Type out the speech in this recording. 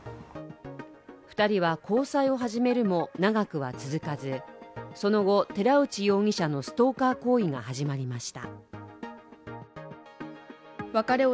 ２人は交際を始めるも長くは続かずその後、寺内容疑者のストーカー行為が始まりました。